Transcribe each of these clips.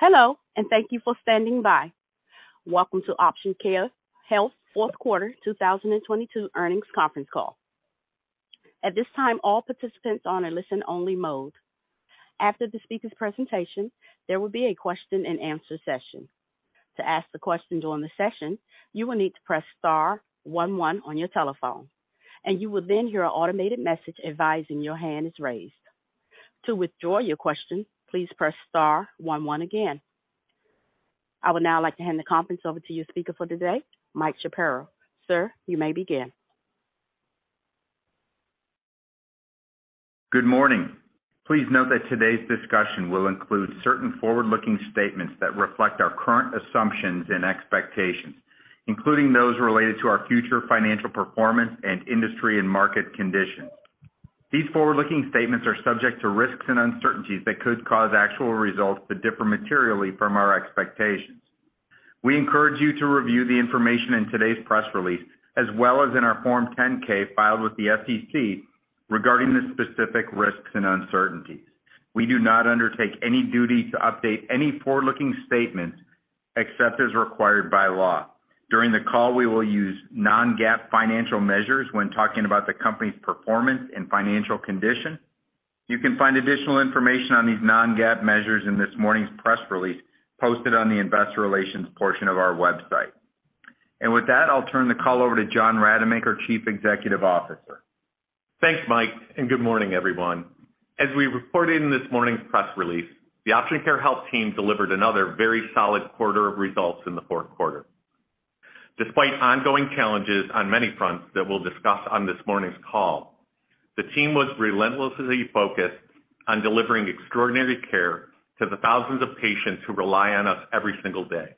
Hello, thank you for standing by. Welcome to Option Care Health fourth quarter 2022 earnings conference call. At this time, all participants are on a listen only mode. After the speaker's presentation, there will be a question-and-answer session. To ask the question during the session, you will need to press star one one on your telephone, you will then hear an automated message advising your hand is raised. To withdraw your question, please press star one one again. I would now like to hand the conference over to your speaker for today, Mike Shapiro. Sir, you may begin. Good morning. Please note that today's discussion will include certain forward-looking statements that reflect our current assumptions and expectations, including those related to our future financial performance and industry and market conditions. These forward-looking statements are subject to risks and uncertainties that could cause actual results to differ materially from our expectations. We encourage you to review the information in today's press release as well as in our Form 10-K filed with the SEC regarding the specific risks and uncertainties. We do not undertake any duty to update any forward-looking statements except as required by law. During the call, we will use non-GAAP financial measures when talking about the company's performance and financial condition. You can find additional information on these non-GAAP measures in this morning's press release posted on the investor relations portion of our website. With that, I'll turn the call over to John Rademacher, Chief Executive Officer. Thanks, Mike, and good morning, everyone. As we reported in this morning's press release, the Option Care Health team delivered another very solid quarter of results in the fourth quarter. Despite ongoing challenges on many fronts that we'll discuss on this morning's call, the team was relentlessly focused on delivering extraordinary care to the thousands of patients who rely on us every single day.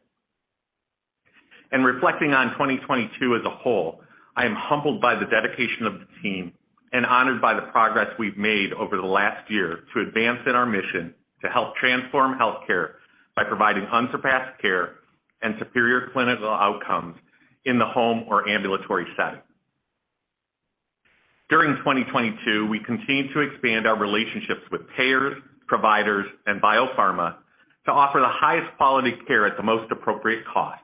Reflecting on 2022 as a whole, I am humbled by the dedication of the team and honored by the progress we've made over the last year to advance in our mission to help transform health care by providing unsurpassed care and superior clinical outcomes in the home or ambulatory setting. During 2022, we continued to expand our relationships with payers, providers, and biopharma to offer the highest quality care at the most appropriate cost.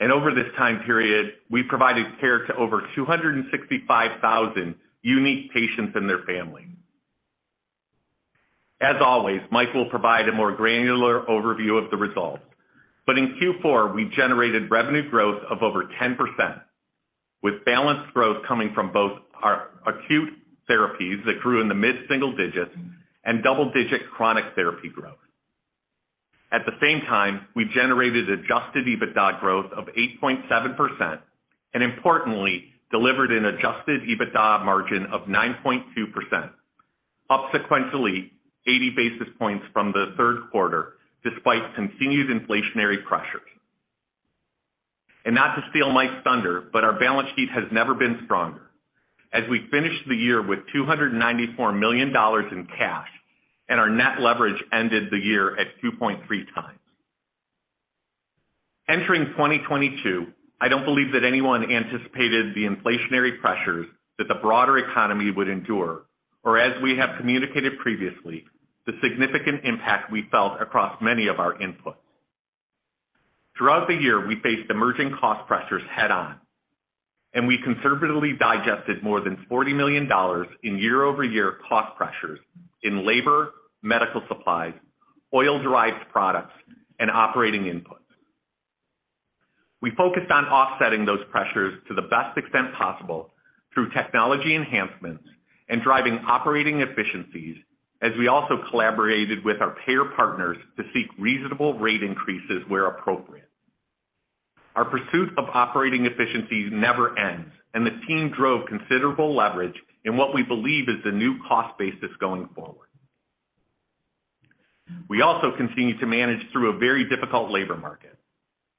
Over this time period, we provided care to over 265,000 unique patients and their families. As always, Mike will provide a more granular overview of the results. In Q4, we generated revenue growth of over 10%, with balanced growth coming from both our acute therapies that grew in the mid-single digits and double-digit chronic therapy growth. At the same time, we generated adjusted EBITDA growth of 8.7% and importantly, delivered an adjusted EBITDA margin of 9.2%, up sequentially 80 basis points from the third quarter, despite continued inflationary pressures. Not to steal Mike's thunder, but our balance sheet has never been stronger as we finished the year with $294 million in cash, and our net leverage ended the year at 2.3 times. Entering 2022, I don't believe that anyone anticipated the inflationary pressures that the broader economy would endure, or as we have communicated previously, the significant impact we felt across many of our inputs. Throughout the year, we faced emerging cost pressures head on. We conservatively digested more than $40 million in year-over-year cost pressures in labor, medical supplies, oil-derived products, and operating inputs. We focused on offsetting those pressures to the best extent possible through technology enhancements and driving operating efficiencies as we also collaborated with our payer partners to seek reasonable rate increases where appropriate. Our pursuit of operating efficiencies never ends, and the team drove considerable leverage in what we believe is the new cost basis going forward. We also continue to manage through a very difficult labor market.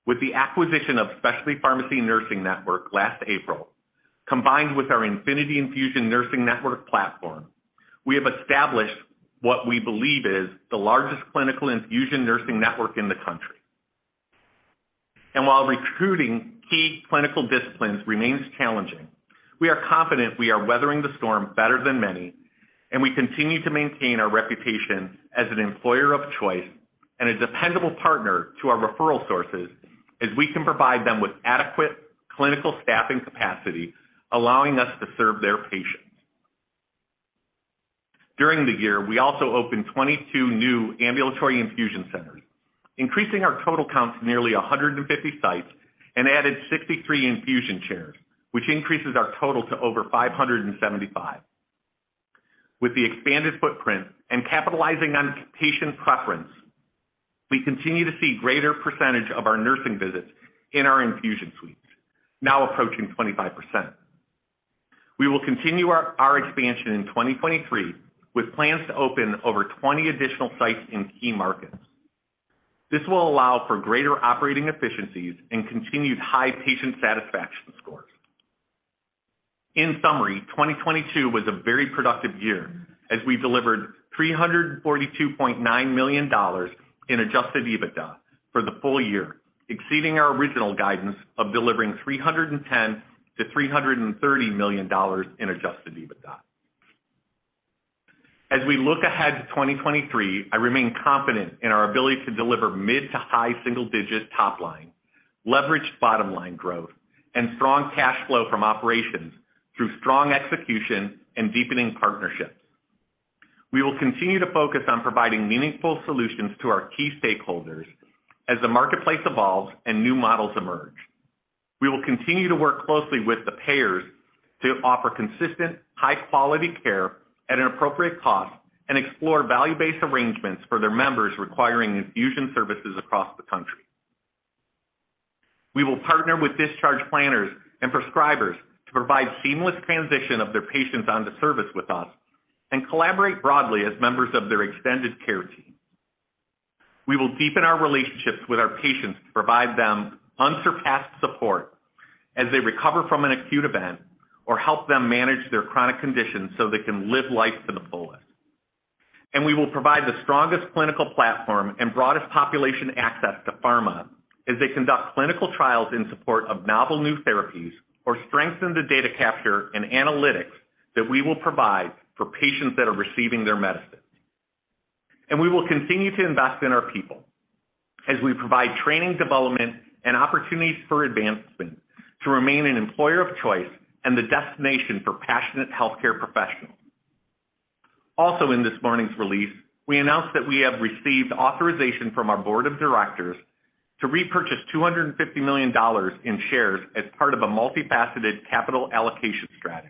With the acquisition of Specialty Pharmacy Nursing Network last April, combined with our Infinity Infusion Nursing Network platform, we have established what we believe is the largest clinical infusion nursing network in the country. While recruiting key clinical disciplines remains challenging, we are confident we are weathering the storm better than many, and we continue to maintain our reputation as an employer of choice and a dependable partner to our referral sources as we can provide them with adequate clinical staffing capacity, allowing us to serve their patients. During the year, we also opened 22 new ambulatory infusion centers, increasing our total count to nearly 150 sites and added 63 infusion chairs, which increases our total to over 575. With the expanded footprint and capitalizing on patient preference, we continue to see greater percentage of our nursing visits in our infusion suites, now approaching 25%. We will continue our expansion in 2023, with plans to open over 20 additional sites in key markets. This will allow for greater operating efficiencies and continued high patient satisfaction scores. In summary, 2022 was a very productive year as we delivered $342.9 million in adjusted EBITDA for the full year, exceeding our original guidance of delivering $310 million-$330 million in adjusted EBITDA. As we look ahead to 2023, I remain confident in our ability to deliver mid to high single digit top line, leveraged bottom line growth and strong cash flow from operations through strong execution and deepening partnerships. We will continue to focus on providing meaningful solutions to our key stakeholders as the marketplace evolves and new models emerge. We will continue to work closely with the payers to offer consistent, high quality care at an appropriate cost and explore value-based arrangements for their members requiring infusion services across the country. We will partner with discharge planners and prescribers to provide seamless transition of their patients onto service with us and collaborate broadly as members of their extended care team. We will deepen our relationships with our patients to provide them unsurpassed support as they recover from an acute event or help them manage their chronic conditions so they can live life to the fullest. We will provide the strongest clinical platform and broadest population access to pharma as they conduct clinical trials in support of novel new therapies or strengthen the data capture and analytics that we will provide for patients that are receiving their medicine. We will continue to invest in our people as we provide training, development and opportunities for advancement to remain an employer of choice and the destination for passionate healthcare professionals. Also in this morning's release, we announced that we have received authorization from our board of directors to repurchase $250 million in shares as part of a multifaceted capital allocation strategy.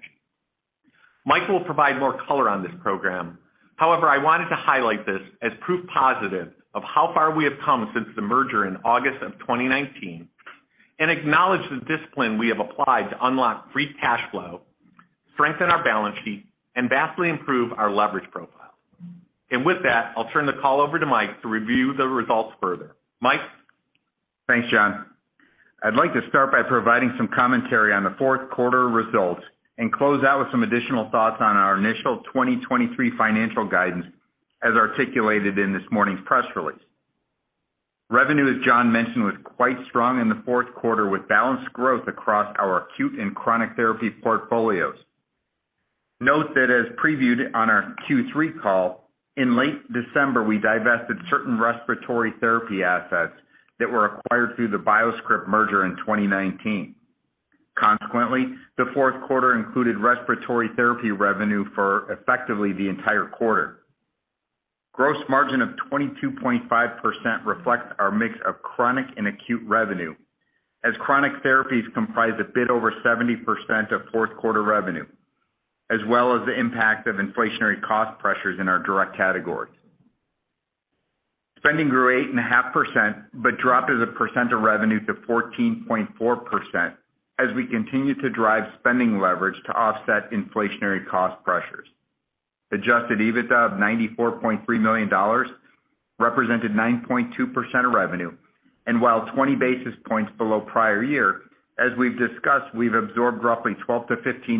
Mike will provide more color on this program. However, I wanted to highlight this as proof positive of how far we have come since the merger in August of 2019 and acknowledge the discipline we have applied to unlock free cash flow, strengthen our balance sheet and vastly improve our leverage profile. With that, I'll turn the call over to Mike to review the results further. Mike? Thanks, John. I'd like to start by providing some commentary on the fourth quarter results and close out with some additional thoughts on our initial 2023 financial guidance as articulated in this morning's press release. Revenue, as John mentioned, was quite strong in the fourth quarter, with balanced growth across our acute and chronic therapy portfolios. Note that as previewed on our Q3 call, in late December we divested certain respiratory therapy assets that were acquired through the BioScrip merger in 2019. The fourth quarter included respiratory therapy revenue for effectively the entire quarter. Gross margin of 22.5% reflects our mix of chronic and acute revenue as chronic therapies comprise a bit over 70% of fourth quarter revenue, as well as the impact of inflationary cost pressures in our direct categories. Spending grew 8.5% but dropped as a percent of revenue to 14.4% as we continue to drive spending leverage to offset inflationary cost pressures. Adjusted EBITDA of $94.3 million represented 9.2% of revenue and while 20 basis points below prior year, as we've discussed, we've absorbed roughly $12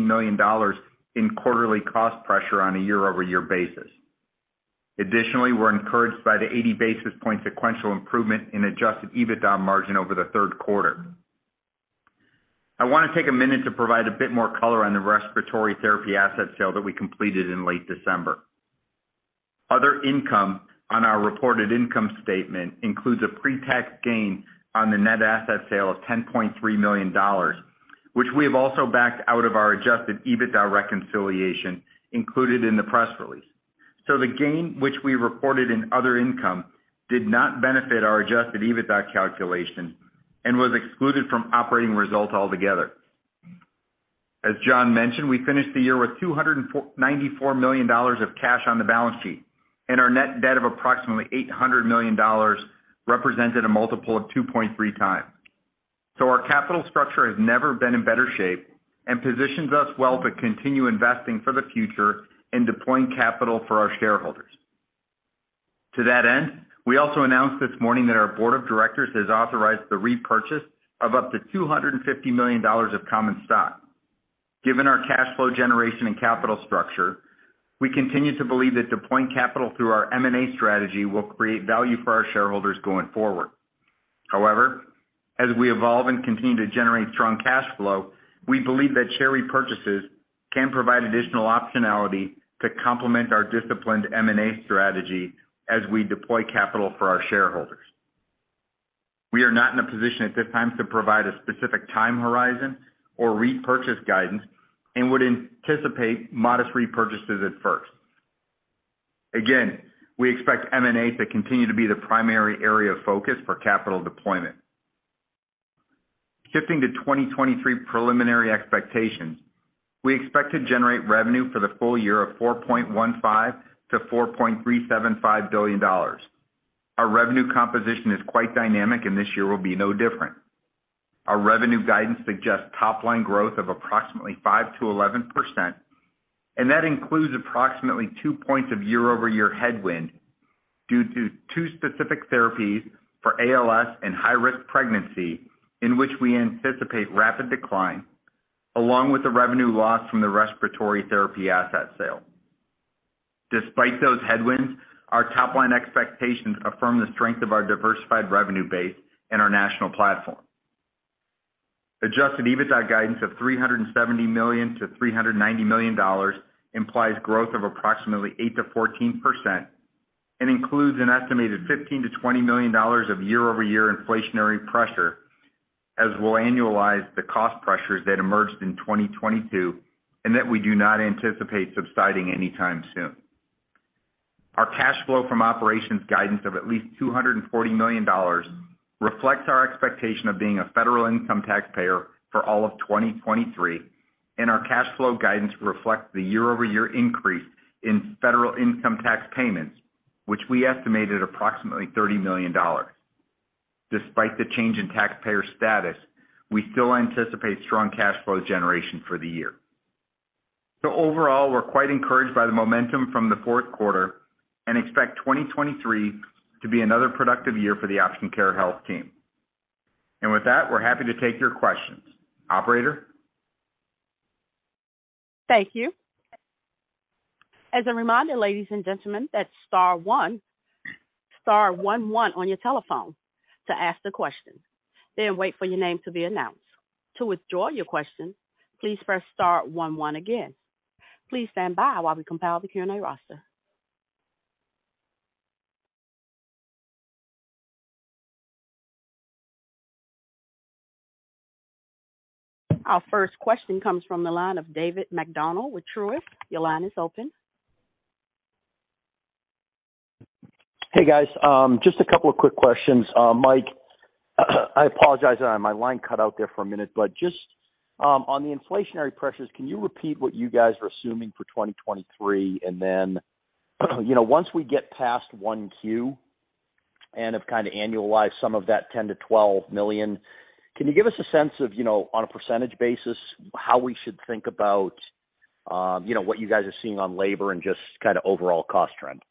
million-$15 million in quarterly cost pressure on a year-over-year basis. Additionally, we're encouraged by the 80 basis point sequential improvement in adjusted EBITDA margin over the third quarter. I want to take a minute to provide a bit more color on the respiratory therapy asset sale that we completed in late December. Other income on our reported income statement includes a pre-tax gain on the net asset sale of $10.3 million, which we have also backed out of our adjusted EBITDA reconciliation included in the press release. The gain which we reported in other income did not benefit our adjusted EBITDA calculation and was excluded from operating results altogether. As John mentioned, we finished the year with $294 million of cash on the balance sheet, and our net debt of approximately $800 million represented a multiple of 2.3 times. Our capital structure has never been in better shape and positions us well to continue investing for the future and deploying capital for our shareholders. To that end, we also announced this morning that our board of directors has authorized the repurchase of up to $250 million of common stock. Given our cash flow generation and capital structure, we continue to believe that deploying capital through our M&A strategy will create value for our shareholders going forward. However, as we evolve and continue to generate strong cash flow, we believe that share repurchases can provide additional optionality to complement our disciplined M&A strategy as we deploy capital for our shareholders. We are not in a position at this time to provide a specific time horizon or repurchase guidance and would anticipate modest repurchases at first. Again, we expect M&A to continue to be the primary area of focus for capital deployment. Shifting to 2023 preliminary expectations, we expect to generate revenue for the full year of $4.15 billion-$4.375 billion. Our revenue composition is quite dynamic and this year will be no different. Our revenue guidance suggests top line growth of approximately 5%-11%. That includes approximately two points of year-over-year headwind due to two specific therapies for ALS and high risk pregnancy in which we anticipate rapid decline, along with the revenue loss from the respiratory therapy asset sale. Despite those headwinds, our top line expectations affirm the strength of our diversified revenue base and our national platform. Adjusted EBITDA guidance of $370 million-$390 million implies growth of approximately 8%-14% and includes an estimated $15 million-$20 million of year-over-year inflationary pressure, as we'll annualize the cost pressures that emerged in 2022 and that we do not anticipate subsiding anytime soon. Our cash flow from operations guidance of at least $240 million reflects our expectation of being a federal income taxpayer for all of 2023, and our cash flow guidance reflects the year-over-year increase in federal income tax payments, which we estimated approximately $30 million. Despite the change in taxpayer status, we still anticipate strong cash flow generation for the year. Overall, we're quite encouraged by the momentum from the fourth quarter and expect 2023 to be another productive year for the Option Care Health team. With that, we're happy to take your questions. Operator? Thank you. As a reminder, ladies and gentlemen, that's star one, star one one on your telephone to ask the question, then wait for your name to be announced. To withdraw your question, please press star one one again. Please stand by while we compile the Q&A roster. Our first question comes from the line of David MacDonald with Truist. Your line is open. Hey, guys. Just a couple of quick questions. Mike, I apologize my line cut out there for a minute, but just, on the inflationary pressures, can you repeat what you guys are assuming for 2023? You know, once we get past 1Q and have kinda annualized some of that $10 million-$12 million, can you give us a sense of, you know, on a percentage basis, how we should think about, you know, what you guys are seeing on labor and just kinda overall cost trend?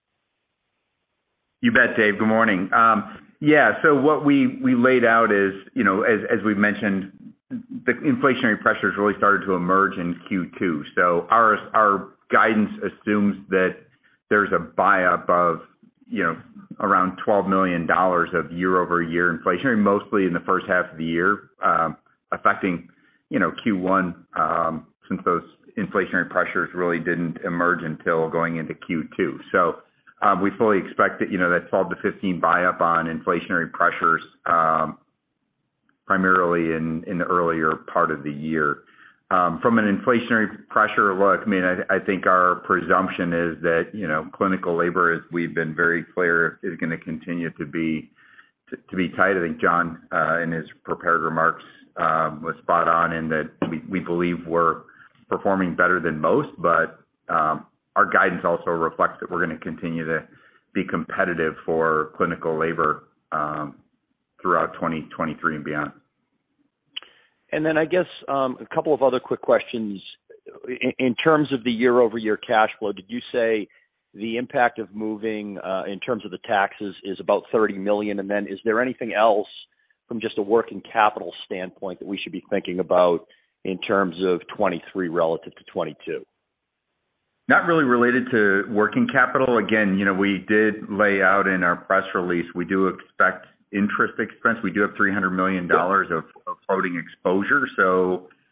You bet, Dave. Good morning. What we laid out is, you know, as we've mentioned, the inflationary pressures really started to emerge in Q2. Our guidance assumes that there's a buy-up of, you know, around $12 million of year-over-year inflationary, mostly in the first half of the year, affecting, you know, Q1, since those inflationary pressures really didn't emerge until going into Q2. We fully expect that, you know, that's called the 15 buy-up on inflationary pressures, primarily in the earlier part of the year. From an inflationary pressure look, I mean, I think our presumption is that, you know, clinical labor, as we've been very clear, is gonna continue to be to be tight. I think John, in his prepared remarks, was spot on and that we believe we're performing better than most. Our guidance also reflects that we're gonna continue to be competitive for clinical labor, throughout 2023 and beyond. I guess, a couple of other quick questions. In terms of the year-over-year cash flow, did you say the impact of moving, in terms of the taxes is about $30 million? Is there anything else from just a working capital standpoint that we should be thinking about in terms of 2023 relative to 2022? Not really related to working capital. Again, you know, we did lay out in our press release, we do expect interest expense. We do have $300 million of floating exposure.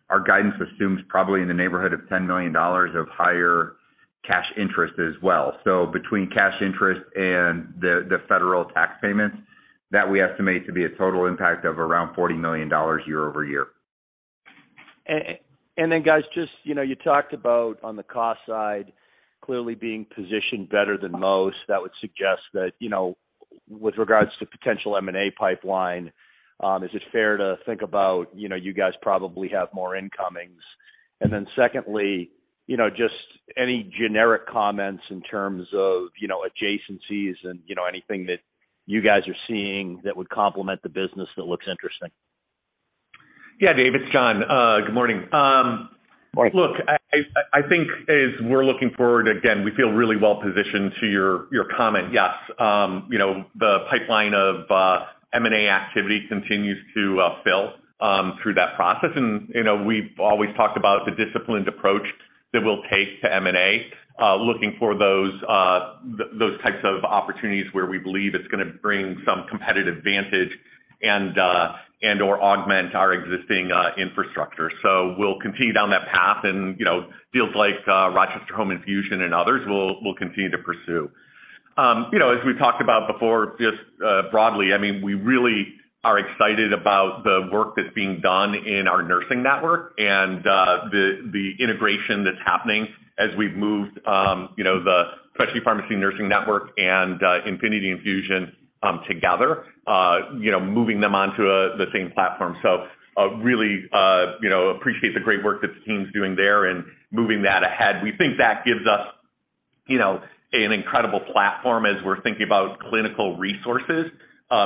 Our guidance assumes probably in the neighborhood of $10 million of higher cash interest as well. Between cash interest and the federal tax payments, that we estimate to be a total impact of around $40 million year over year. And then guys, just, you know, you talked about on the cost side, clearly being positioned better than most, that would suggest that, you know, with regards to potential M&A pipeline, is it fair to think about, you know, you guys probably have more incomings? Secondly, you know, just any generic comments in terms of, you know, adjacencies and, you know, anything that you guys are seeing that would complement the business that looks interesting? Yeah, Dave, it's John. Good morning. Morning. Look, I think as we're looking forward, again, we feel really well positioned to your comment. Yes, you know, the pipeline of M&A activity continues to fill through that process. You know, we've always talked about the disciplined approach that we'll take to M&A, looking for those types of opportunities where we believe it's gonna bring some competitive advantage and/or augment our existing infrastructure. We'll continue down that path and, you know, deals like Rochester Home Infusion and others we'll continue to pursue. You know, as we talked about before, just broadly, I mean, we really are excited about the work that's being done in our nursing network and the integration that's happening as we've moved, you know, the Specialty Pharmacy Nursing Network and Infinity Infusion together, you know, moving them onto the same platform. Really, you know, appreciate the great work that the team's doing there and moving that ahead. We think that gives us, you know, an incredible platform as we're thinking about clinical resources,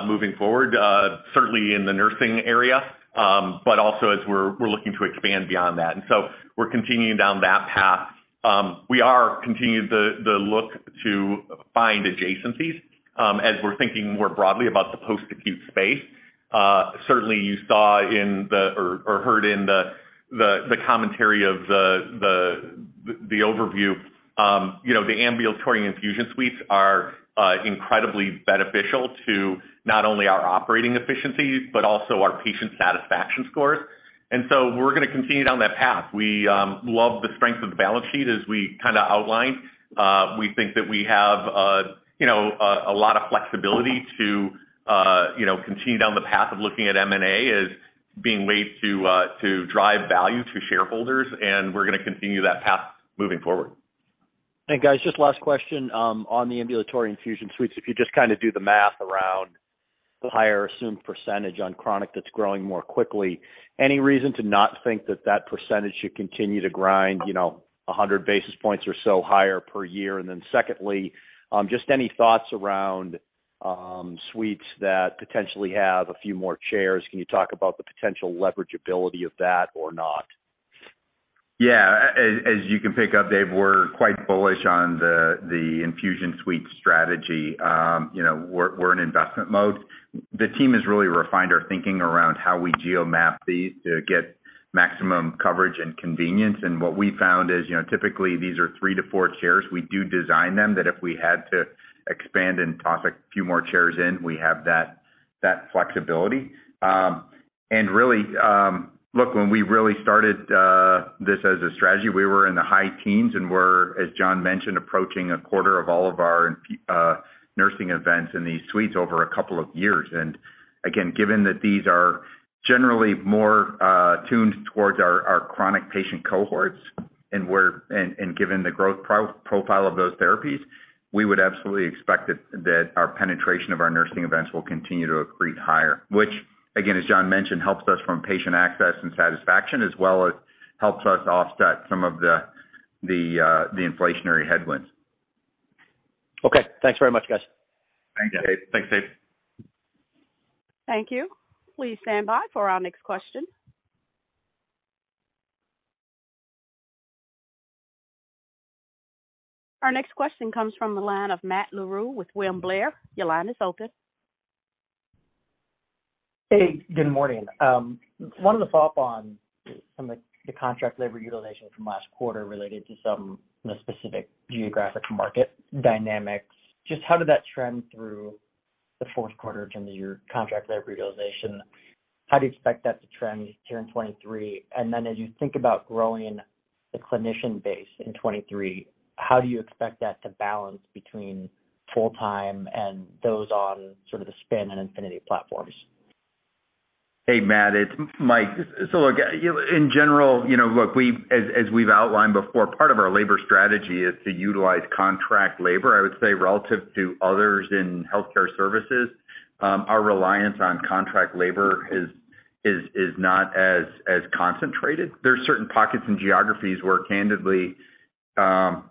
moving forward, certainly in the nursing area, but also as we're looking to expand beyond that. We're continuing down that path. We are continuing the look to find adjacencies as we're thinking more broadly about the post-acute space. Certainly you saw or heard in the commentary of the overview, you know, the ambulatory infusion suites are incredibly beneficial to not only our operating efficiencies, but also our patient satisfaction scores. We're gonna continue down that path. We love the strength of the balance sheet as we kinda outlined. We think that we have, you know, a lot of flexibility to, you know, continue down the path of looking at M&A as being a way to drive value to shareholders. We're gonna continue that path moving forward. Hey, guys, just last question, on the ambulatory infusion suites. If you just kinda do the math around the higher assumed percentage on chronic that's growing more quickly, any reason to not think that that percentage should continue to grind, you know, 100 basis points or so higher per year? Then secondly, just any thoughts around suites that potentially have a few more chairs. Can you talk about the potential leverage ability of that or not? Yeah. as you can pick up, Dave, we're quite bullish on the infusion suite strategy. you know, we're in investment mode. The team has really refined our thinking around how we geomap these to get maximum coverage and convenience. What we found is, you know, typically these are three to four chairs. We do design them that if we had to expand and toss a few more chairs in, we have that flexibility. Really, look, when we really started this as a strategy, we were in the high teens, and we're, as John mentioned, approaching a quarter of all of our nursing events in these suites over a couple of years. Again, given that these are generally more tuned towards our chronic patient cohorts and given the growth profile of those therapies, we would absolutely expect that our penetration of our nursing events will continue to accrete higher, which again, as John mentioned, helps us from patient access and satisfaction as well as helps us offset some of the inflationary headwinds. Okay. Thanks very much, guys. Thanks, Dave. Thanks, Dave. Thank you. Please stand by for our next question. Our next question comes from the line of Matt Larew with William Blair. Your line is open. Hey, good morning. wanted to follow up on the contract from last quarter related to some specific geographic market dynamics. Just how did that trend through the fourth quarter during the year contract labor utilization? How do you expect that to trend here in 2023? As you think about growing the clinician base in 2023, how do you expect that to balance between full-time and those on sort of the SPNN and Infinity platforms? Hey, Matt, it's Mike. Look, you know, in general, you know, look, as we've outlined before, part of our labor strategy is to utilize contract labor. I would say relative to others in healthcare services, our reliance on contract labor is not as concentrated. There are certain pockets and geographies where candidly,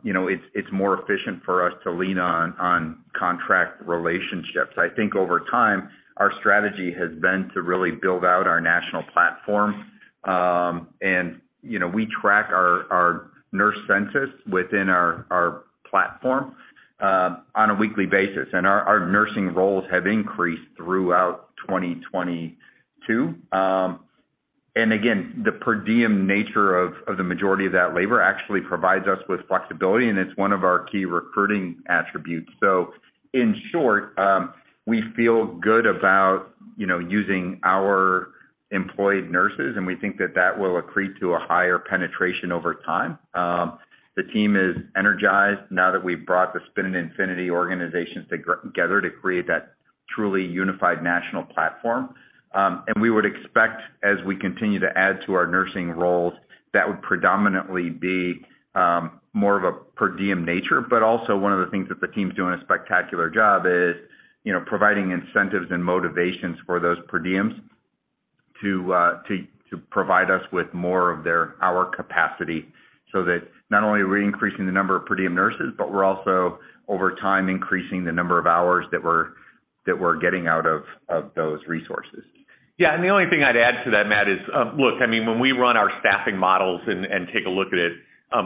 you know, it's more efficient for us to lean on contract relationships. I think over time, our strategy has been to really build out our national platform. You know, we track our nurse census within our platform on a weekly basis. Our nursing roles have increased throughout 2022. And again, the per diem nature of the majority of that labor actually provides us with flexibility, and it's one of our key recruiting attributes. In short, we feel good about, you know, using our employed nurses, and we think that that will accrete to a higher penetration over time. The team is energized now that we've brought the SPNN and Infinity Infusion Nursing organizations together to create that truly unified national platform. We would expect as we continue to add to our nursing roles, that would predominantly be more of a per diem nature. Also one of the things that the team's doing a spectacular job is, you know, providing incentives and motivations for those per diems to provide us with more of their hour capacity, so that not only are we increasing the number of per diem nurses, but we're also over time increasing the number of hours that we're getting out of those resources. Yeah. The only thing I'd add to that, Matt, is, look, I mean, when we run our staffing models and take a look at it,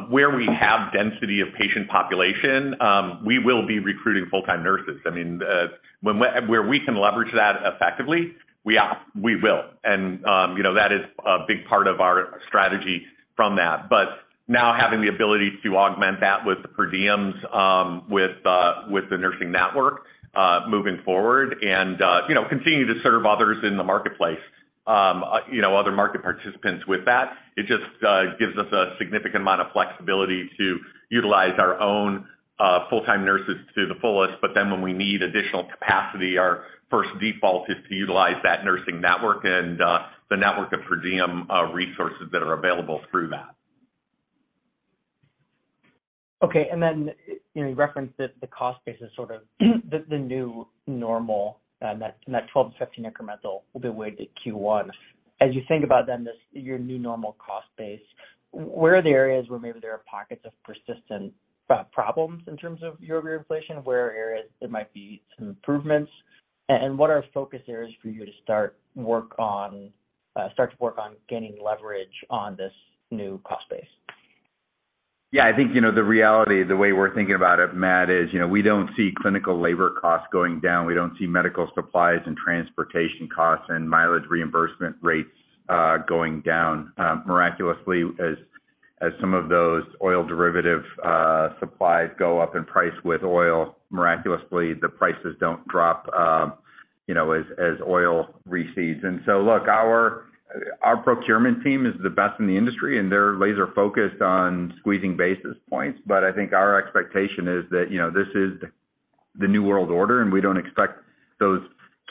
where we have density of patient population, we will be recruiting full-time nurses. I mean, where we can leverage that effectively, we will. You know, that is a big part of our strategy from that. Now having the ability to augment that with the per diems, with the nursing network, moving forward and, you know, continuing to serve others in the marketplace, you know, other market participants with that, it just gives us a significant amount of flexibility to utilize our own full-time nurses to the fullest. When we need additional capacity, our first default is to utilize that nursing network and the network of per diem resources that are available through that. Okay. you know, you referenced that the cost base is sort of the new normal, and that 12-15 incremental will be weighed at Q1. As you think about then this, your new normal cost base, where are the areas where maybe there are pockets of persistent problems in terms of year-over-year inflation? Where are areas there might be some improvements? What are focus areas for you to start to work on gaining leverage on this new cost base? Yeah, I think, you know, the reality, the way we're thinking about it, Matt, is, you know, we don't see clinical labor costs going down. We don't see medical supplies and transportation costs and mileage reimbursement rates, going down, miraculously as some of those oil derivative supplies go up in price with oil. Miraculously, the prices don't drop, you know, as oil recedes. Look, our procurement team is the best in the industry, and they're laser focused on squeezing basis points. I think our expectation is that, you know, this is the new world order, and we don't expect those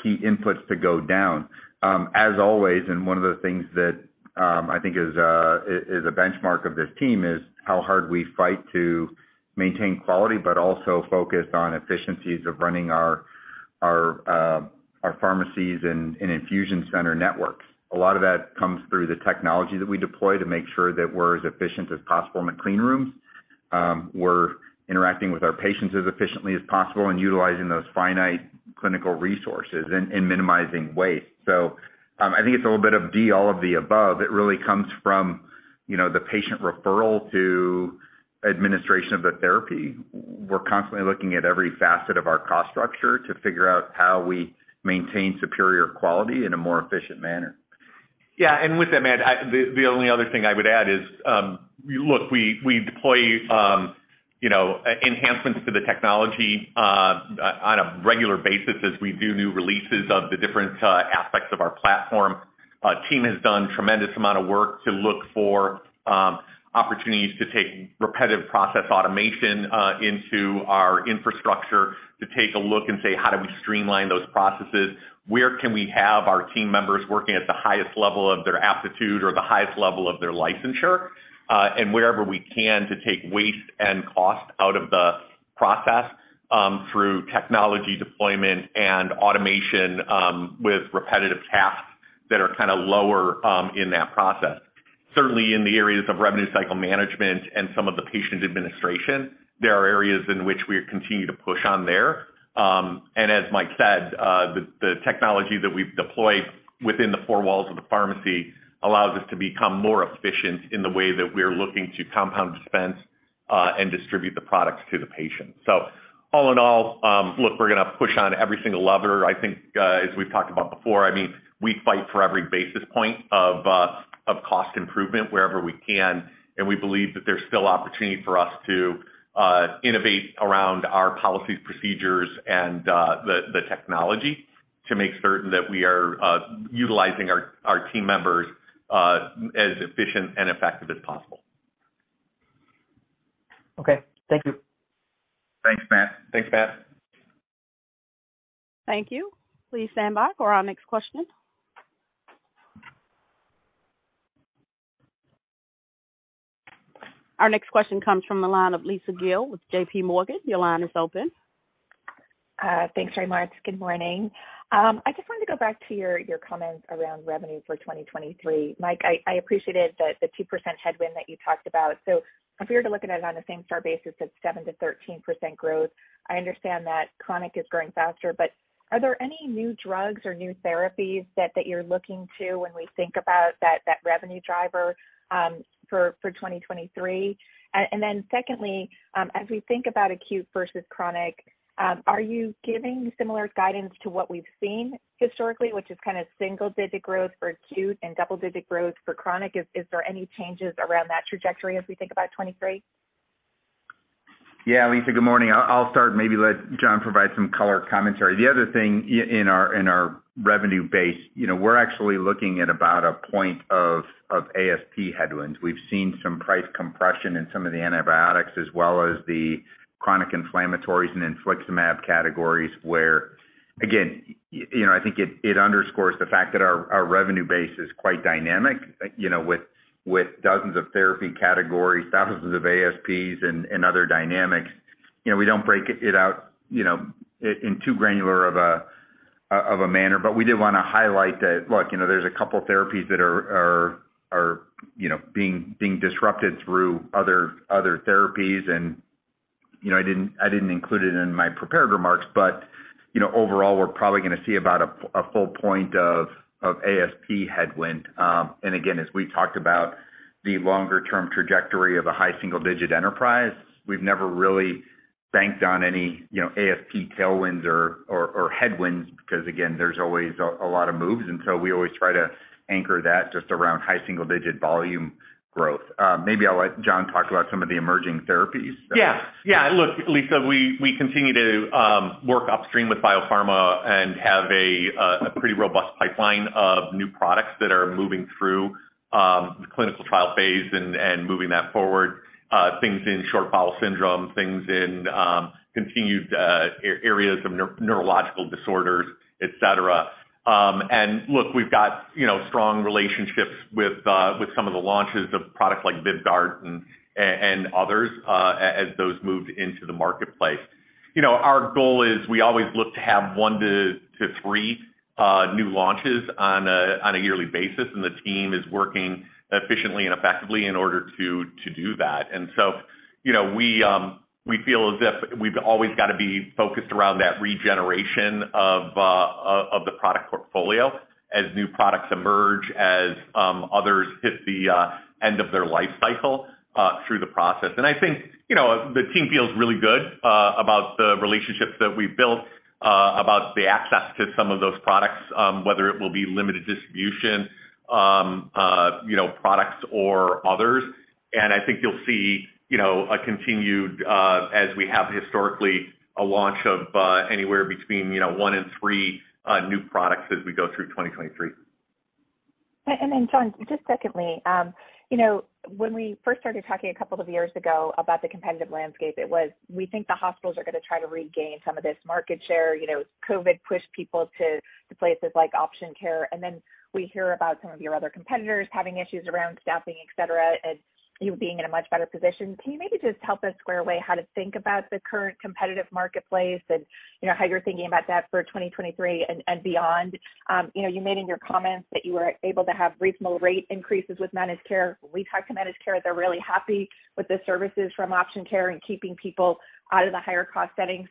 key inputs to go down. As always, one of the things that I think is a benchmark of this team is how hard we fight to maintain quality, but also focus on efficiencies of running our pharmacies and infusion center networks. A lot of that comes through the technology that we deploy to make sure that we're as efficient as possible in the clean rooms, we're interacting with our patients as efficiently as possible and utilizing those finite clinical resources and minimizing waste. I think it's a little bit of D, all of the above. It really comes from, you know, the patient referral to administration of the therapy. We're constantly looking at every facet of our cost structure to figure out how we maintain superior quality in a more efficient manner. Yeah. With that, Matt, the only other thing I would add is, look, we deploy, you know, enhancements to the technology on a regular basis as we do new releases of the different aspects of our platform. Our team has done tremendous amount of work to look for opportunities to take repetitive process automation into our infrastructure to take a look and say, how do we streamline those processes? Where can we have our team members working at the highest level of their aptitude or the highest level of their licensure? Wherever we can to take waste and cost out of the process through technology deployment and automation with repetitive tasks that are kind of lower in that process. Certainly in the areas of revenue cycle management and some of the patient administration, there are areas in which we continue to push on there. As Mike said, the technology that we've deployed within the four walls of the pharmacy allows us to become more efficient in the way that we're looking to compound, dispense, and distribute the products to the patient. All in all, look, we're gonna push on every single lever. I think, as we've talked about before, I mean, we fight for every basis point of cost improvement wherever we can, and we believe that there's still opportunity for us to innovate around our policies, procedures, and the technology to make certain that we are utilizing our team members as efficient and effective as possible. Okay. Thank you. Thanks, Matt. Thanks, Matt. Thank you. Please stand by for our next question. Our next question comes from the line of Lisa Gill with JPMorgan. Your line is open. Thanks very much. Good morning. I just wanted to go back to your comments around revenue for 2023. Mike, I appreciated the 2% headwind that you talked about. If we were to look at it on a same-store basis, it's 7%-13% growth. I understand that chronic is growing faster, but are there any new drugs or new therapies that you're looking to when we think about that revenue driver for 2023? Secondly, as we think about acute versus chronic, are you giving similar guidance to what we've seen historically, which is kind of single digit growth for acute and double digit growth for chronic? Is there any changes around that trajectory as we think about 23? Yeah. Lisa, good morning. I'll start and maybe let John provide some color commentary. The other thing in our revenue base, you know, we're actually looking at about a point of ASP headwinds. We've seen some price compression in some of the antibiotics as well as the chronic inflammatories and infliximab categories, where again, you know, I think it underscores the fact that our revenue base is quite dynamic, you know, with dozens of therapy categories, thousands of ASPs and other dynamics. We don't break it out, you know, in too granular of a manner. We did wanna highlight that, look, you know, there's a couple therapies that are, you know, being disrupted through other therapies. You know, I didn't include it in my prepared remarks, you know, overall, we're probably gonna see about a full point of ASP headwind. As we talked about the longer term trajectory of a high single digit enterprise, we've never really banked on any, you know, ASP tailwinds or headwinds because again, there's always a lot of moves, we always try to anchor that just around high single digit volume growth. Maybe I'll let John talk about some of the emerging therapies. Yeah. Yeah. Look, Lisa, we continue to work upstream with biopharma and have a pretty robust pipeline of new products that are moving through the clinical trial phase and moving that forward. Things in short bowel syndrome, things in continued areas of neurological disorders, et cetera. Look, we've got, you know, strong relationships with some of the launches of products like VYVGART and others as those moved into the marketplace. You know, our goal is we always look to have one to three new launches on a yearly basis, and the team is working efficiently and effectively in order to do that. You know, we feel as if we've always got to be focused around that regeneration of the product portfolio as new products emerge, as others hit the end of their life cycle through the process. I think, you know, the team feels really good about the relationships that we've built about the access to some of those products, whether it will be limited distribution, you know, products or others. I think you'll see, you know, a continued, as we have historically, a launch of anywhere between, you know, one in three new products as we go through 2023. John, just secondly, you know, when we first started talking a couple of years ago about the competitive landscape, it was, we think the hospitals are going to try to regain some of this market share. You know, COVID pushed people to places like Option Care, and then we hear about some of your other competitors having issues around staffing, et cetera, and you being in a much better position. Can you maybe just help us square away how to think about the current competitive marketplace and, you know, how you're thinking about that for 2023 and beyond? You know, you made in your comments that you were able to have reasonable rate increases with managed care. We talk to managed care, they're really happy with the services from Option Care and keeping people out of the higher cost setting.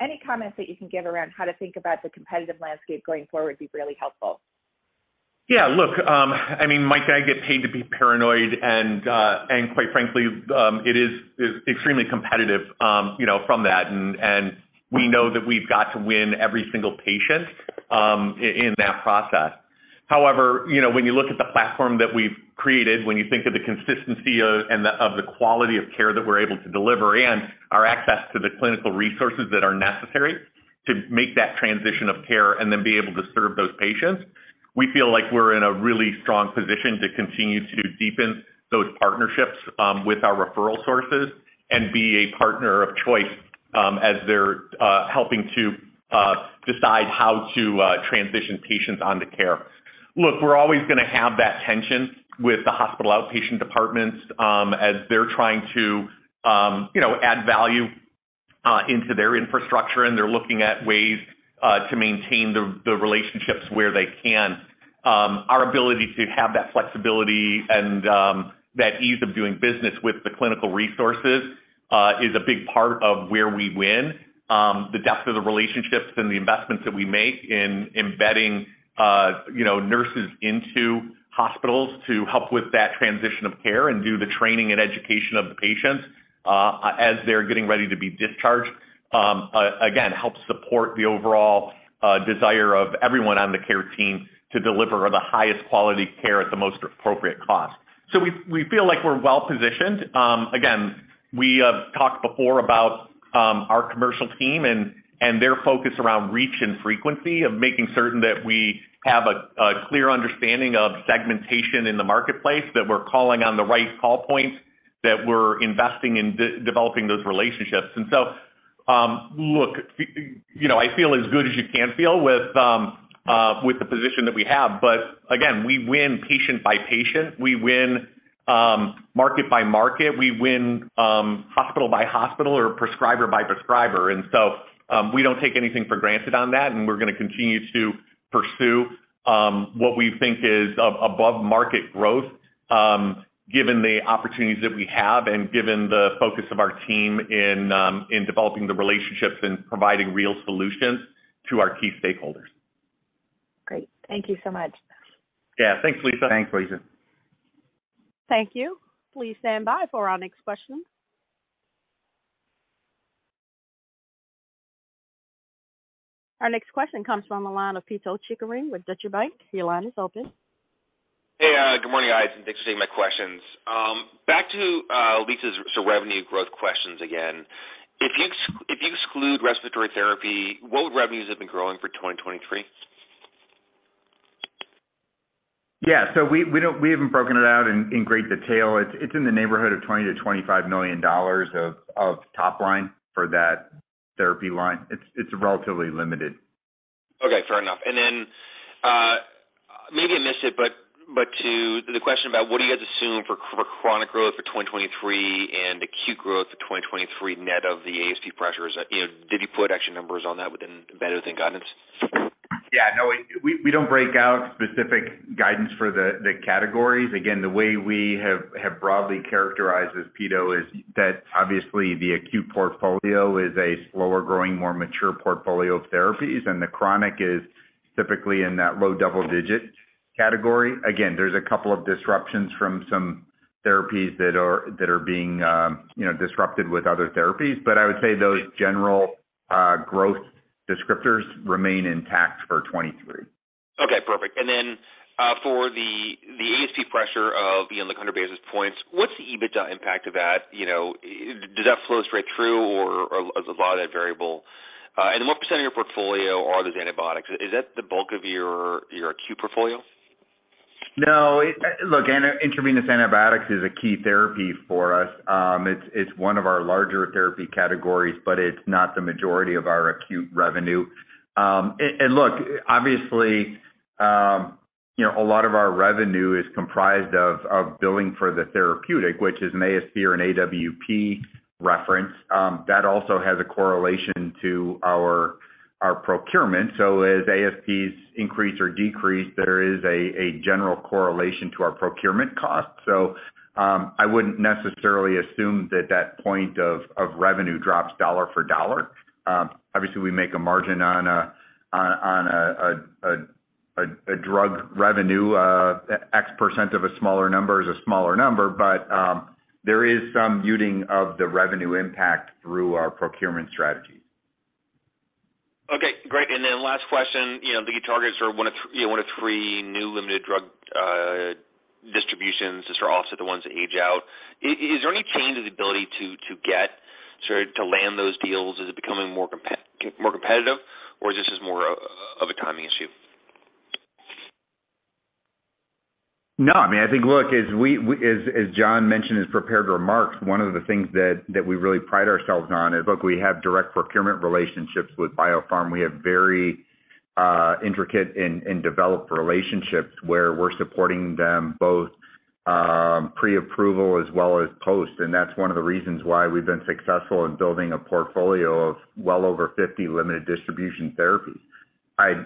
Any comments that you can give around how to think about the competitive landscape going forward would be really helpful. Yeah, look, I mean, Mike and I get paid to be paranoid, and quite frankly, it is extremely competitive, you know, from that. We know that we've got to win every single patient in that process. However, you know, when you look at the platform that we've created, when you think of the consistency of the quality of care that we're able to deliver, and our access to the clinical resources that are necessary to make that transition of care and then be able to serve those patients, we feel like we're in a really strong position to continue to deepen those partnerships with our referral sources and be a partner of choice as they're helping to decide how to transition patients onto care. Look, we're always gonna have that tension with the hospital outpatient departments, as they're trying to, you know, add value into their infrastructure, and they're looking at ways to maintain the relationships where they can. Our ability to have that flexibility and that ease of doing business with the clinical resources is a big part of where we win. The depth of the relationships and the investments that we make in embedding, you know, nurses into hospitals to help with that transition of care and do the training and education of the patients as they're getting ready to be discharged, again, helps support the overall desire of everyone on the care team to deliver the highest quality care at the most appropriate cost. We feel like we're well positioned. Again, we have talked before about our commercial team and their focus around reach and frequency of making certain that we have a clear understanding of segmentation in the marketplace, that we're calling on the right call points, that we're investing in developing those relationships. Look, you know, I feel as good as you can feel with the position that we have. Again, we win patient by patient. We win market by market. We win hospital by hospital or prescriber by prescriber. We don't take anything for granted on that, and we're gonna continue to pursue what we think is of above market growth given the opportunities that we have and given the focus of our team in developing the relationships and providing real solutions to our key stakeholders. Great. Thank you so much. Yeah. Thanks, Lisa. Thanks, Lisa. Thank you. Please stand by for our next question. Our next question comes from the line of Pito Chickering with Deutsche Bank. Your line is open. Hey, good morning, guys, and thanks for taking my questions. Back to Lisa's sort of revenue growth questions again. If you exclude respiratory therapy, what would revenues have been growing for 2023? We haven't broken it out in great detail. It's in the neighborhood of $20 million-$25 million of top line for that therapy line. It's relatively limited. Okay. Fair enough. Then, maybe I missed it, but to the question about what do you guys assume for chronic growth for 2023 and acute growth for 2023 net of the ASP pressures, you know, did you put actual numbers on that embedded within guidance? Yeah, no. We don't break out specific guidance for the categories. The way we have broadly characterized this, Pito, is that obviously the acute portfolio is a slower growing, more mature portfolio of therapies, and the chronic is typically in that low double digit category. There's a couple of disruptions from some therapies that are being, you know, disrupted with other therapies. I would say those general growth descriptors remain intact for 23. Okay. Perfect. For the ASP pressure of, you know, like 100 basis points, what's the EBITDA impact of that? You know, does that flow straight through or is a lot of that variable? What percent of your portfolio are those antibiotics? Is that the bulk of your acute portfolio? No. Look, intravenous antibiotics is a key therapy for us. It's one of our larger therapy categories, but it's not the majority of our acute revenue. You know, a lot of our revenue is comprised of billing for the therapeutic, which is an ASP or an AWP reference. That also has a correlation to our procurement. As ASPs increase or decrease, there is a general correlation to our procurement costs. I wouldn't necessarily assume that that point of revenue drops dollar for dollar. Obviously, we make a margin on a drug revenue. X% of a smaller number is a smaller number, but there is some muting of the revenue impact through our procurement strategies. Okay, great. Last question. You know, I think you targeted sort of one of, you know, one of three new limited drug distributions. These are also the ones that age out. Is there any change in the ability to get, sort of to land those deals? Is it becoming more competitive or is this just more of a timing issue? No, I mean, I think, look, as John mentioned in his prepared remarks, one of the things that we really pride ourselves on is, look, we have direct procurement relationships with biopharm. We have very intricate and developed relationships where we're supporting them both pre-approval as well as post. That's one of the reasons why we've been successful in building a portfolio of well over 50 limited distribution therapies.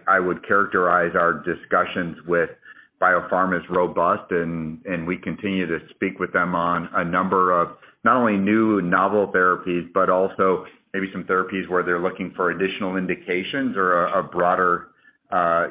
I would characterize our discussions with biopharm as robust, and we continue to speak with them on a number of not only new novel therapies, but also maybe some therapies where they're looking for additional indications or a broader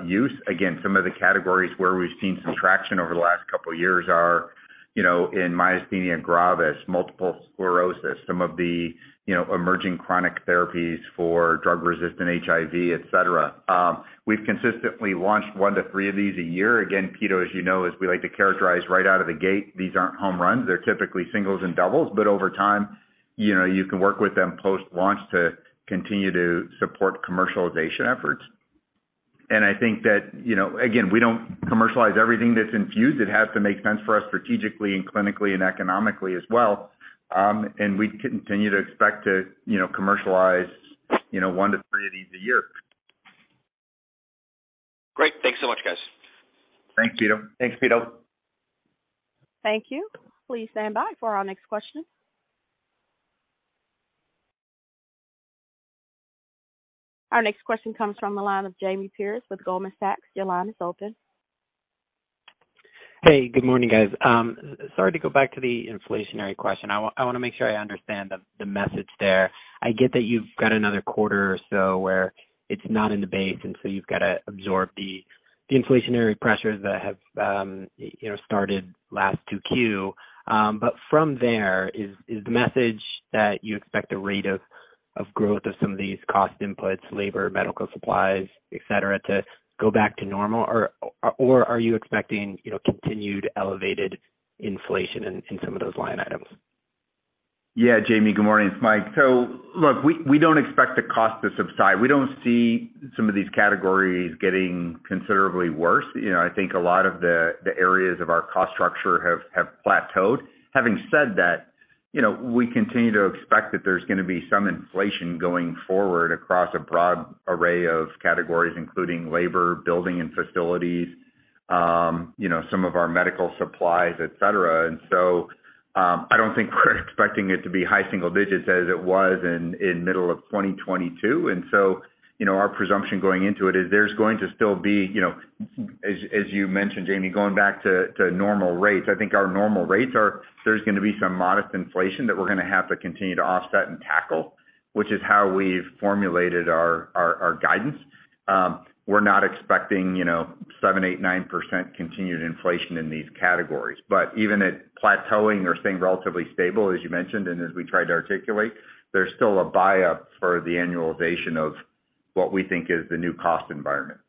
use. Again, some of the categories where we've seen some traction over the last couple of years are, you know, in myasthenia gravis, multiple sclerosis, some of the, you know, emerging chronic therapies for drug-resistant HIV, et cetera. We've consistently launched one to three of these a year. Again, Pito, as you know, as we like to characterize right out of the gate, these aren't home runs. They're typically singles and doubles, but over time, you know, you can work with them post-launch to continue to support commercialization efforts. I think that, you know, again, we don't commercialize everything that's infused. It has to make sense for us strategically and clinically and economically as well. We continue to expect to, you know, commercialize, you know, one to three of these a year. Great. Thanks so much, guys. Thanks, Peter. Thanks, Peter. Thank you. Please stand by for our next question. Our next question comes from the line of Jamie Perse with Goldman Sachs. Your line is open. Hey, good morning, guys. Sorry to go back to the inflationary question. I wanna make sure I understand the message there. I get that you've got another quarter or so where it's not in the base, and so you've got to absorb the inflationary pressures that have, you know, started last 2Q. From there is the message that you expect the rate of growth of some of these cost inputs, labor, medical supplies, et cetera, to go back to normal or are you expecting, you know, continued elevated inflation in some of those line items? Yeah, Jamie, good morning. It's Mike. Look, we don't expect the cost to subside. We don't see some of these categories getting considerably worse. You know, I think a lot of the areas of our cost structure have plateaued. Having said that, you know, we continue to expect that there's gonna be some inflation going forward across a broad array of categories, including labor, building and facilities, you know, some of our medical supplies, et cetera. I don't think we're expecting it to be high single digits as it was in middle of 2022. You know, our presumption going into it is there's going to still be, you know, as you mentioned, Jamie, going back to normal rates. I think our normal rates are there's gonna be some modest inflation that we're gonna have to continue to offset and tackle, which is how we've formulated our guidance. We're not expecting, you know, 7%, 8%, 9% continued inflation in these categories. Even at plateauing or staying relatively stable, as you mentioned, and as we tried to articulate, there's still a buyup for the annualization of what we think is the new cost environment.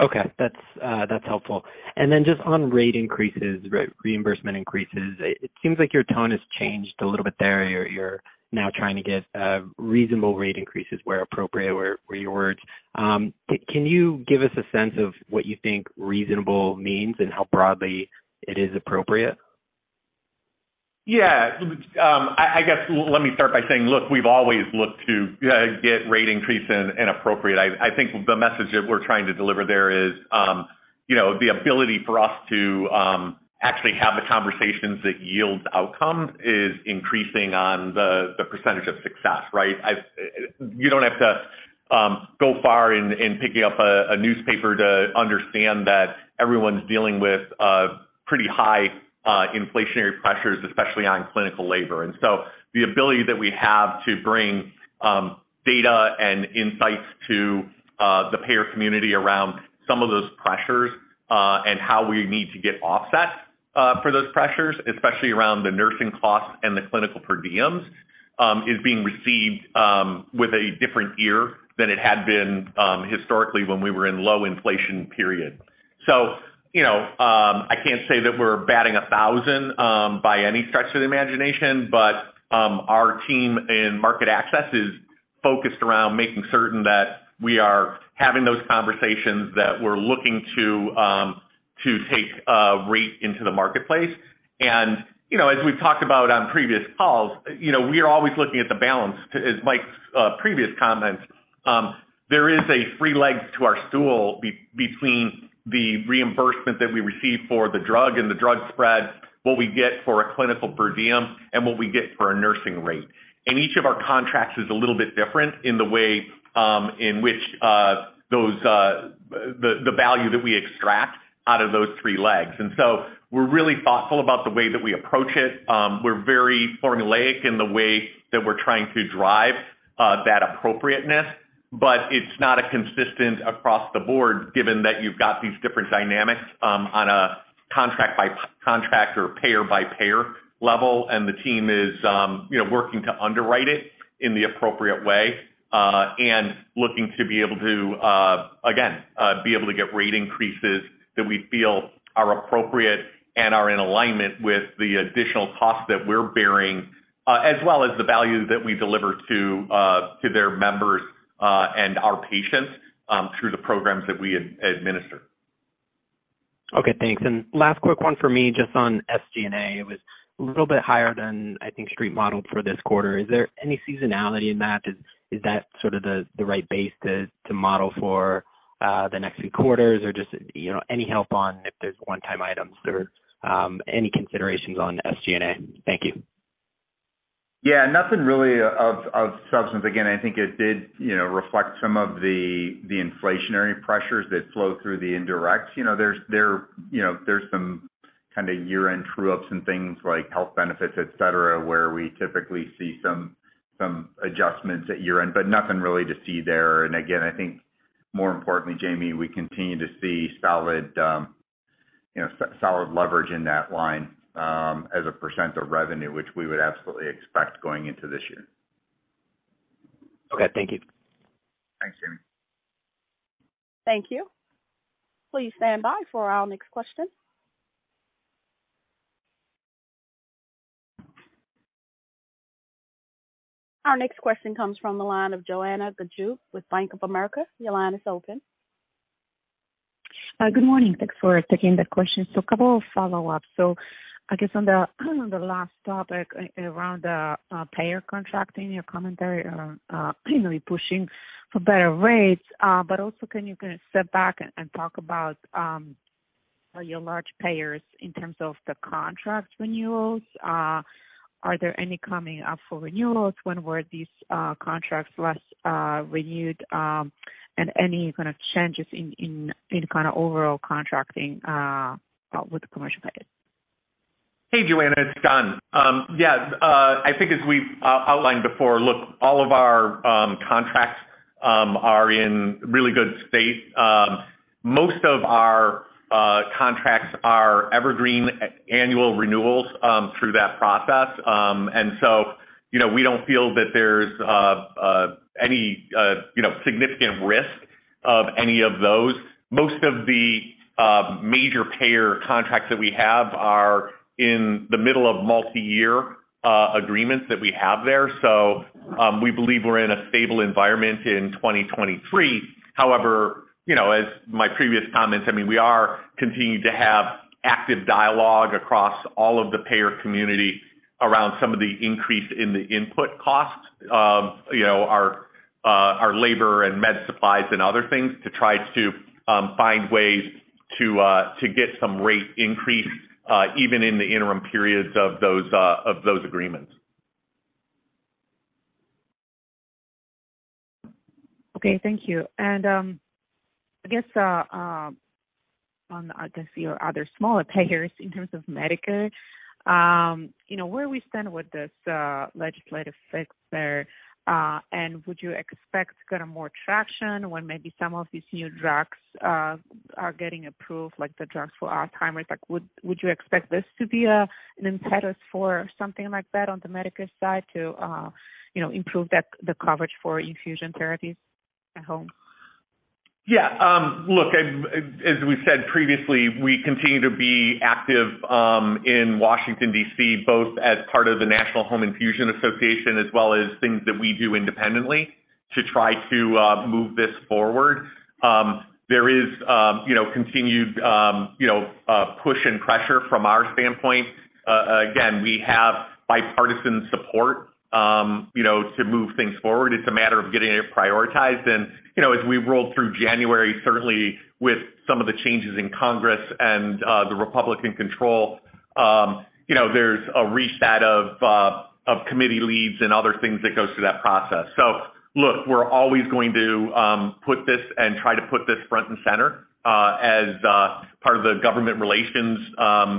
Okay. That's helpful. Just on rate increases. Right. Reimbursement increases, it seems like your tone has changed a little bit there. You're now trying to get, reasonable rate increases where appropriate, were your words. Can you give us a sense of what you think reasonable means and how broadly it is appropriate? Yeah. I guess let me start by saying, look, we've always looked to get rate increase in appropriate. I think the message that we're trying to deliver there is, you know, the ability for us to actually have the conversations that yield outcomes is increasing on the percentage of success, right? You don't have to go far in picking up a newspaper to understand that everyone's dealing with pretty high inflationary pressures, especially on clinical labor. The ability that we have to bring data and insights to the payer community around some of those pressures and how we need to get offset for those pressures, especially around the nursing costs and the clinical per diems, is being received with a different ear than it had been historically when we were in low inflation period. You know, I can't say that we're batting 1,000 by any stretch of the imagination. Our team in market access is focused around making certain that we are having those conversations, that we're looking to. To take rate into the marketplace. You know, as we've talked about on previous calls, you know, we are always looking at the balance. As Mike's previous comments, there is a three legs to our stool between the reimbursement that we receive for the drug and the drug spread, what we get for a clinical per diem and what we get for a nursing rate. Each of our contracts is a little bit different in the way in which those the value that we extract out of those three legs. So we're really thoughtful about the way that we approach it. We're very formulaic in the way that we're trying to drive that appropriateness, but it's not a consistent across the board, given that you've got these different dynamics on a contract by contract or payer by payer level. The team is, you know, working to underwrite it in the appropriate way and looking to be able to again be able to get rate increases that we feel are appropriate and are in alignment with the additional costs that we're bearing, as well as the value that we deliver to their members and our patients through the programs that we administer. Okay, thanks. Last quick one for me, just on SG&A. It was a little bit higher than I think Street modeled for this quarter. Is there any seasonality in that? Is that sort of the right base to model for the next few quarters or just, you know, any help on if there's one-time items or any considerations on SG&A? Thank you. Yeah, nothing really of substance. Again, I think it did, you know, reflect some of the inflationary pressures that flow through the indirect. You know, there's, you know, there's some kind of year-end true ups and things like health benefits, et cetera, where we typically see some adjustments at year-end, but nothing really to see there. Again, I think more importantly, Jamie, we continue to see solid, you know, solid leverage in that line as a percent of revenue, which we would absolutely expect going into this year. Okay, thank you. Thanks, Jamie. Thank you. Please stand by for our next question. Our next question comes from the line of Joanna Gajuk with Bank of America. Your line is open. Good morning. Thanks for taking the questions. A couple of follow-ups. I guess on the last topic around payer contracting, your commentary around, you know, you pushing for better rates. Can you kind of step back and talk about your large payers in terms of the contract renewals? Are there any coming up for renewals? When were these contracts last renewed? Any kind of changes in any kind of overall contracting with the commercial payers? Hey, Joanna, it's John. Yeah, I think as we've outlined before, look, all of our contracts are in really good state. Most of our contracts are evergreen annual renewals through that process. You know, we don't feel that there's any, you know, significant risk of any of those. Most of the major payer contracts that we have are in the middle of multiyear agreements that we have there. We believe we're in a stable environment in 2023. However, you know, as my previous comments, I mean, we are continuing to have active dialogue across all of the payer community around some of the increase in the input costs of, you know, our labor and med supplies and other things to try to find ways to get some rate increase even in the interim periods of those agreements. Okay. Thank you. I guess, on your other smaller payers in terms of Medicare, you know, where we stand with this legislative fix there, and would you expect to get a more traction when maybe some of these new drugs are getting approved, like the drugs for Alzheimer's? Like, would you expect this to be an impetus for something like that on the Medicare side to, you know, improve that, the coverage for infusion therapies at home? Yeah. Look, as we've said previously, we continue to be active in Washington, D.C., both as part of the National Home Infusion Association as well as things that we do independently to try to move this forward. There is, you know, continued, you know, push and pressure from our standpoint. Again, we have bipartisan support, you know, to move things forward. It's a matter of getting it prioritized. You know, as we roll through January, certainly with some of the changes in Congress and the Republican control, you know, there's a reset of committee leads and other things that goes through that process. Look, we're always going to put this and try to put this front and center as part of the government relations,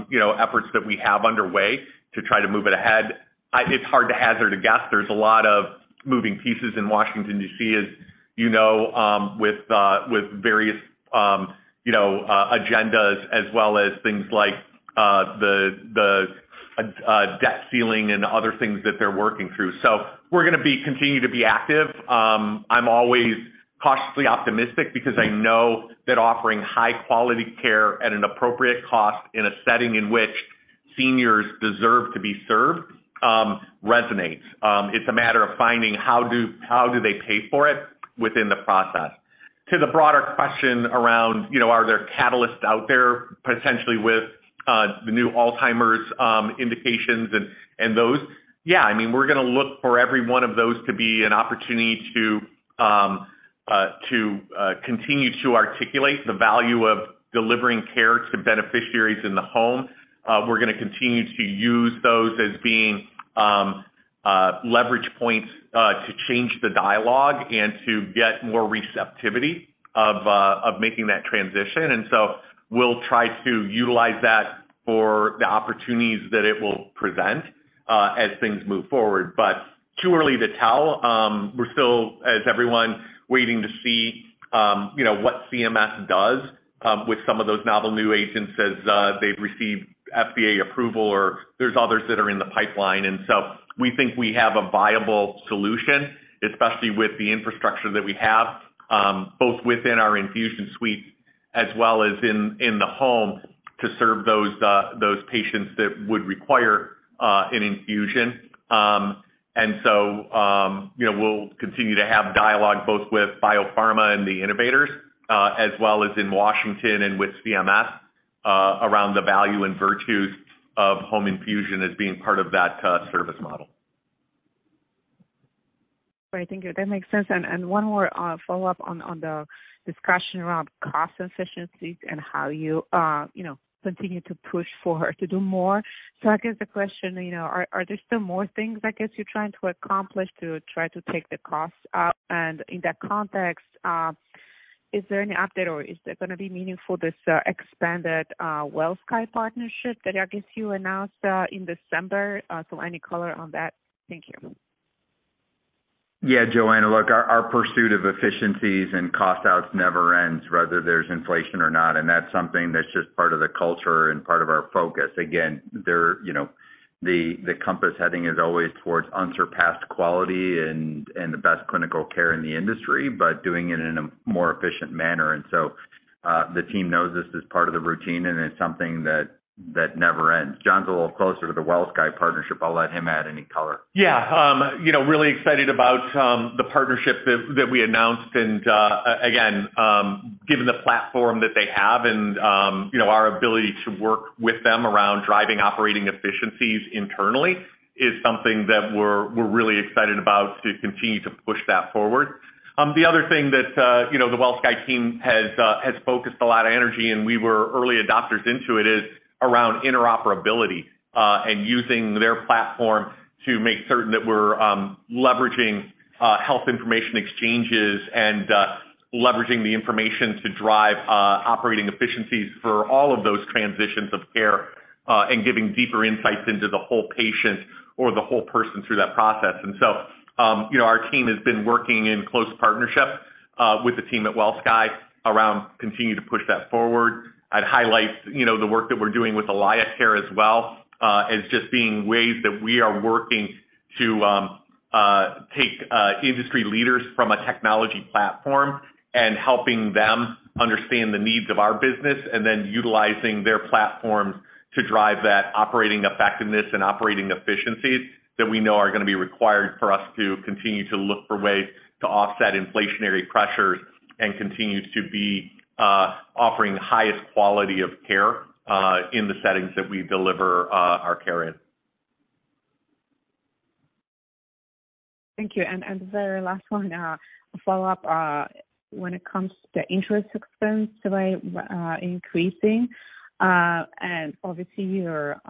you know, efforts that we have underway to try to move it ahead. It's hard to hazard a guess. There's a lot of moving pieces in Washington, D.C., as you know, with various, you know, agendas as well as things like the debt ceiling and other things that they're working through. We're gonna be continue to be active. I'm always cautiously optimistic because I know that offering high quality care at an appropriate cost in a setting in which Seniors deserve to be served, resonates. It's a matter of finding how do they pay for it within the process. To the broader question around, you know, are there catalysts out there potentially with the new Alzheimer's indications and those? Yeah. I mean, we're gonna look for every one of those to be an opportunity to continue to articulate the value of delivering care to beneficiaries in the home. We're gonna continue to use those as being leverage points to change the dialogue and to get more receptivity of making that transition. We'll try to utilize that for the opportunities that it will present, as things move forward. Too early to tell. We're still, as everyone, waiting to see, you know, what CMS does with some of those novel new agents as they've received FDA approval or there's others that are in the pipeline. We think we have a viable solution, especially with the infrastructure that we have, both within our infusion suite as well as in the home, to serve those patients that would require an infusion. You know, we'll continue to have dialogue both with biopharma and the innovators, as well as in Washington and with CMS, around the value and virtues of home infusion as being part of that service model. Great. Thank you. That makes sense. One more follow-up on the discussion around cost efficiencies and how you know, continue to push forward to do more. I guess the question, you know, are there still more things I guess you're trying to accomplish to try to take the costs out? In that context, is there any update or is there gonna be meaningful this expanded WellSky partnership that I guess you announced in December? Any color on that? Thank you. Yeah. Joanna, look, our pursuit of efficiencies and cost outs never ends, whether there's inflation or not, and that's something that's just part of the culture and part of our focus. Again, there, you know, the compass heading is always towards unsurpassed quality and the best clinical care in the industry, but doing it in a more efficient manner. the team knows this is part of the routine and it's something that never ends. John's a little closer to the WellSky partnership. I'll let him add any color. Yeah. You know, really excited about the partnership that we announced. Again, given the platform that they have and, you know, our ability to work with them around driving operating efficiencies internally is something that we're really excited about to continue to push that forward. The other thing that, you know, the WellSky team has focused a lot of energy, and we were early adopters into it, is around interoperability, and using their platform to make certain that we're leveraging health information exchanges and leveraging the information to drive operating efficiencies for all of those transitions of care, and giving deeper insights into the whole patient or the whole person through that process. You know, our team has been working in close partnership with the team at WellSky around continuing to push that forward. I'd highlight, you know, the work that we're doing with AlayaCare as well, as just being ways that we are working to take industry leaders from a technology platform and helping them understand the needs of our business, and then utilizing their platforms to drive that operating effectiveness and operating efficiencies that we know are gonna be required for us to continue to look for ways to offset inflationary pressures and continue to be offering the highest quality of care in the settings that we deliver our care in. Thank you. The very last one, a follow-up, when it comes to interest expense rate, increasing, and obviously your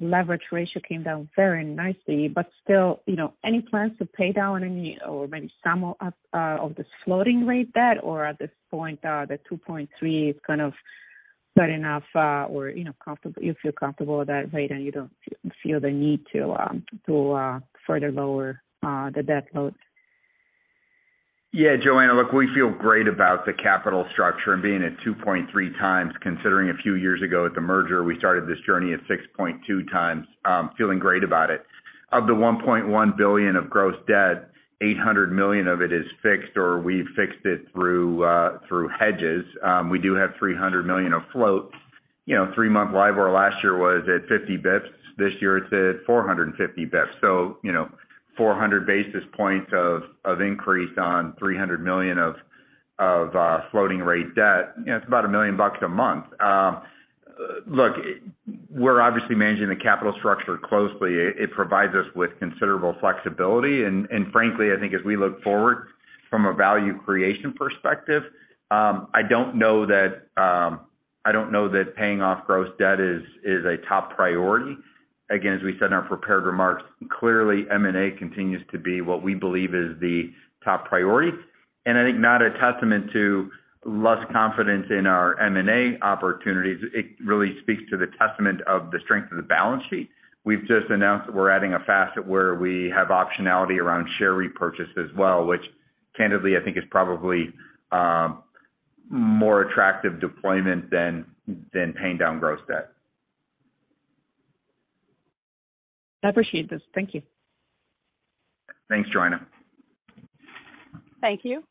leverage ratio came down very nicely but still, you know, any plans to pay down any or maybe some of this floating rate debt or at this point, the 2.3 is kind of good enough, or, you know, comfortable, you feel comfortable with that rate and you don't feel the need to further lower the debt load? Yeah. Joanna, look, we feel great about the capital structure and being at 2.3 times, considering a few years ago at the merger we started this journey at 6.2 times. Feeling great about it. Of the $1.1 billion of gross debt, $800 million of it is fixed or we've fixed it through hedges. We do have $300 million of float. You know, three-month LIBOR last year was at 50 basis points. This year it's at 450 basis points. You know, 400 basis points of increase on $300 million of floating rate debt. You know, it's about $1 million a month. Look, we're obviously managing the capital structure closely. It provides us with considerable flexibility. Frankly, I think as we look forward from a value creation perspective, I don't know that I don't know that paying off gross debt is a top priority. Again, as we said in our prepared remarks, clearly M&A continues to be what we believe is the top priority. I think not a testament to less confidence in our M&A opportunities. It really speaks to the testament of the strength of the balance sheet. We've just announced that we're adding a facet where we have optionality around share repurchase as well, which candidly, I think is probably more attractive deployment than paying down gross debt. I appreciate this. Thank you. Thanks, Joanna. Thank you.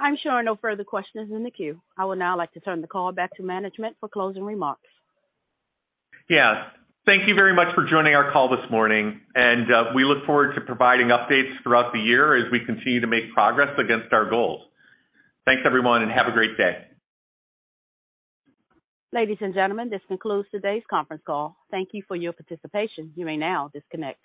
I'm showing no further questions in the queue. I would now like to turn the call back to management for closing remarks. Yes. Thank you very much for joining our call this morning, and we look forward to providing updates throughout the year as we continue to make progress against our goals. Thanks, everyone, and have a great day. Ladies and gentlemen, this concludes today's conference call. Thank you for your participation. You may now disconnect.